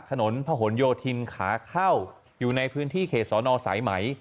ถนนพะหนโยธินขาเข้าอยู่ในพื้นที่เขตสอนอสายไหม